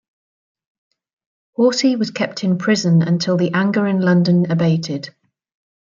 Horsey was kept in prison until the anger in London abated.